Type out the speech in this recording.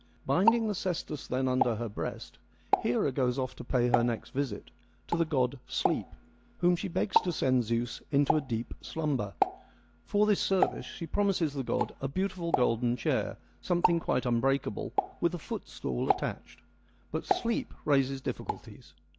Binding the cestus then under her breast, Hera goes off to pay her next visit, to the god Sleep, whom she begs to send Zeus into a deep slumber. For this service she promises the god ' a beautiful golden chair, something quite unbreakable, with a footstool attached.' But Sleep raises difficulties.